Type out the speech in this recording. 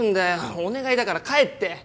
お願いだから帰って！